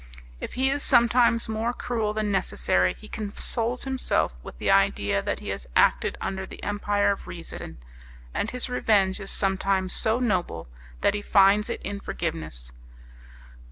If he is sometimes more cruel than necessary, he consoles himself with the idea that he has acted under the empire of reason; and his revenge is sometimes so noble that he finds it in forgiveness.